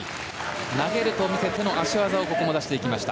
投げると見せての足技を見せていきました。